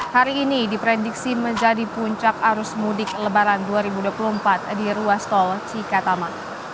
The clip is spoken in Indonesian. hari ini diprediksi menjadi puncak arus mudik lebaran dua ribu dua puluh empat di ruas tol cikatama